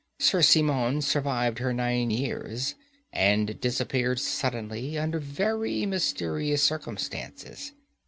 Sir Simon survived her nine years, and disappeared suddenly under very mysterious circumstances.